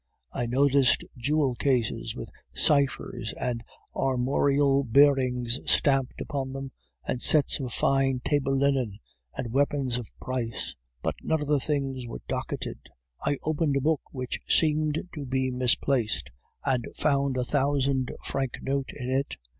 I noticed jewel cases, with ciphers and armorial bearings stamped upon them, and sets of fine table linen, and weapons of price; but none of the things were docketed. I opened a book which seemed to be misplaced, and found a thousand franc note in it.